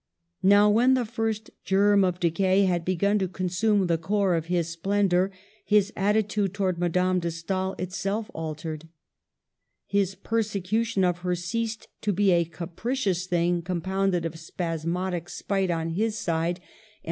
Now, when the first germ of decay had begun to consume the core of his splendor, his attitude towards Madame de Stael itself altered. His persecution of her ceased to be a capricious thing compounded of spasmodic spite on his side and Digitized by VjOOQIC 140 MADAME DE STAML.